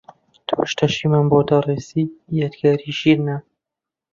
تۆش تەشیمان بۆ دەڕێسی یادگاری شیرنە